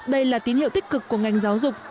đây là tín hiệu tích cực của ngành giáo dục